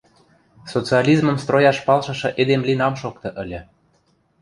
Социализмым строяш палшышы эдем лин ам шокты ыльы...